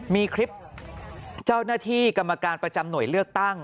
มีคลิปเจ้าหน้าที่กรรมการประจำหน่วยเลือกตั้ง